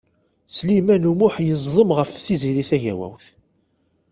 Sliman U Muḥ yeẓdem ɣef Tiziri Tagawawt.